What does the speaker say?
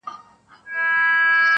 • چي غوايي غوښو ته وکتل حیران سو -